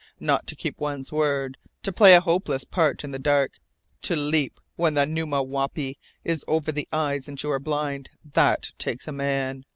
Not to keep one's word, to play a hopeless part in the dark, to leap when the numma wapew is over the eyes and you are blind that takes a man.